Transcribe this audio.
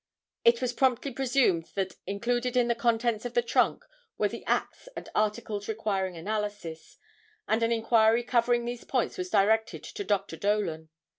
It was promptly presumed that included in the contents of the trunk were the axe and articles requiring analysis, and an inquiry covering these points was directed to Dr. Dolan.